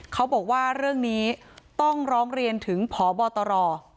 เขาบอกว่าเรื่องนี้ต้องร้องเรียนถึงพบตร